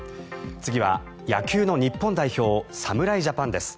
次は野球の日本代表侍ジャパンです。